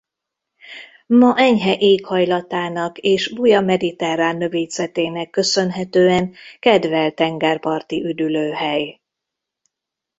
Ma enyhe éghajlatának és buja mediterrán növényzetének köszönhetően kedvelt tengerparti üdülőhely.